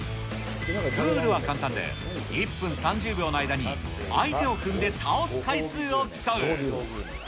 ルールは簡単で、１分３０秒の間に相手を踏んで倒す回数を競う。